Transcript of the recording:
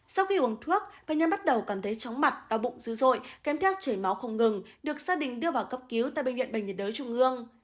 sau khi uống thuốc bệnh nhân bắt đầu cảm thấy chóng mặt đau bụng dữ dội kèm theo chảy máu không ngừng được gia đình đưa vào cấp cứu tại bệnh viện bệnh nhiệt đới trung ương